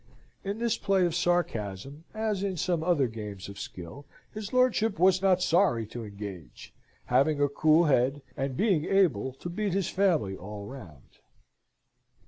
In this play of sarcasm, as in some other games of skill, his lordship was not sorry to engage, having a cool head, and being able to beat his family all round.